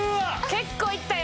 結構いったよ